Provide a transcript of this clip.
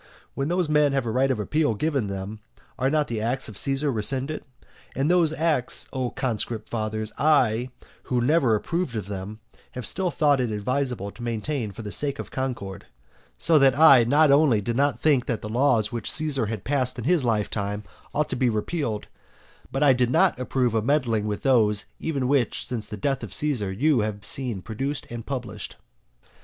And, when those men have a right of appeal given them, are not the acts of Caesar rescinded? And those acts, O conscript fathers, I, who never approved of them, have still thought it advisable to maintain for the sake of concord, so that I not only did not think that the laws which Caesar had passed in his lifetime ought to be repealed, but I did not approve of meddling with those even which since the death of Caesar you have seen produced and published.